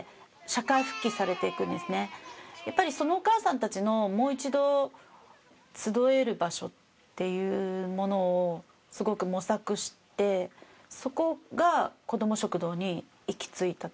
やっぱりそのお母さんたちのもう一度集える場所っていうものをすごく模索してそこがこども食堂に行き着いたと思います。